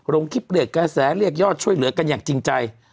ลงคลิปเรียกกระแสเรียกยอดช่วยเหลือกันอย่างจริงใจ